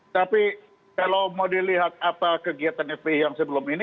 tapi kalau mau dilihat apa kegiatan fpi yang sebelum ini